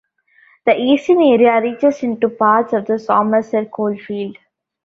The eastern area reaches into parts of the Somerset Coalfield.